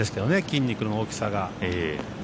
筋肉の大きさが。